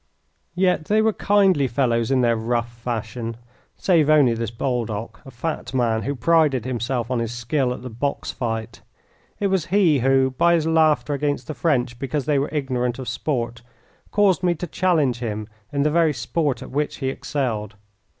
Yet they were kindly fellows in their rough fashion, save only this Baldock, a fat man, who prided himself on his skill at the box fight. It was he who, by his laughter against the French because they were ignorant of sport, caused me to challenge him in the very sport at which he excelled.